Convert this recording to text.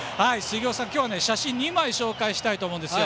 今日は写真を２枚紹介したいと思います。